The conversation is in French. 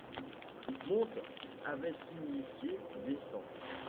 Monte! avait signifié: Descends !